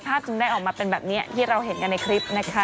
จึงได้ออกมาเป็นแบบนี้ที่เราเห็นกันในคลิปนะคะ